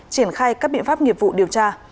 triển khai các biện pháp nghiệp vụ điều tra